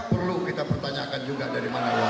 perlu kita pertanyakan juga dari mana mana